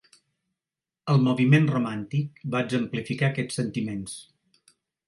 El moviment romàntic va exemplificar aquests sentiments.